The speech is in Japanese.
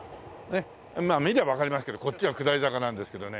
まあ見りゃわかりますけどこっちは下り坂なんですけどね。